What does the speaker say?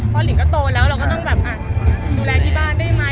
พอหลิงก็โตแล้วเราก็ต้องแบบดูแลที่บ้านได้ไหม